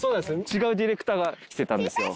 違うディレクターが来てたんですよ。